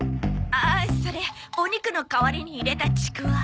ああそれお肉の代わりに入れたチクワ。